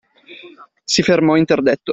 Si fermò interdetto.